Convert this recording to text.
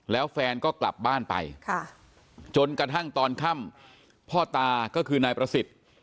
แล้วแฟนก็กลับบ้านไปจนกระทั่งตอนค่ำพ่อตาก็คือนายประสิทธิ์